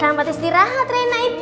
selamat istirahat rena ibu